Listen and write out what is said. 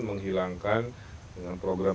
menghilangkan dengan program